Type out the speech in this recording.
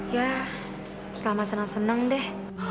ya selamat senang senang deh